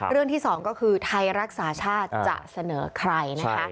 เรื่องที่๒ก็คือไทยรักษาชาติจะเสนอใคร